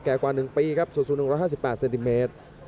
แก่กว่าหนึ่งปีครับสูงรักห้าสิบแปดเซนติเมตร